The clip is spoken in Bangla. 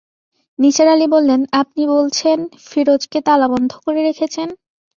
নিসার আলি বললেন, আপনি বলছেন, ফিরোজকে তালাবন্ধ করে রেখেছেন?